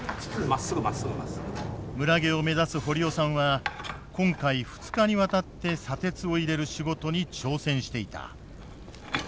村下を目指す堀尾さんは今回２日にわたって砂鉄を入れる仕事に挑戦していた。